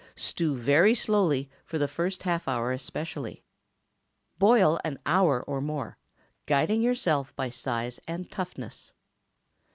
Stew very slowly, for the first half hour especially. Boil an hour or more, guiding yourself by size and toughness.